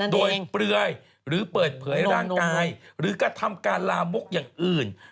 โดยเปลือยหรือเปิดเผยร่างกายหรือกระทำการลามกอย่างอื่น